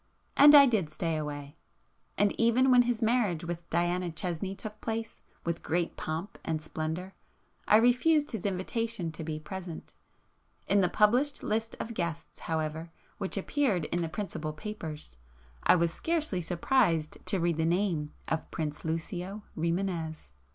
And I did stay away;—and even when his marriage with Diana Chesney took place with great pomp and splendour, I refused his invitation to be present. In the published list of guests, however which appeared in the principal papers, I was scarcely surprised to read the name of 'Prince Lucio Rimânez.